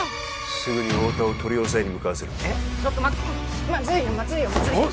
すぐに太田を取り押さえに向かわせるえっちょっと待ってまずいよまずいよまずいよ